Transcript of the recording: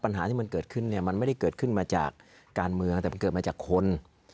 ปัญหาที่มันเกิดขึ้นเนี่ยมันไม่ได้เกิดขึ้นมาจากการเมืองแต่มันเกิดมาจากคน